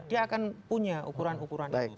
dia akan punya ukuran ukuran itu